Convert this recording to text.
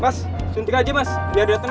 mas suntik aja mas biar dia tenang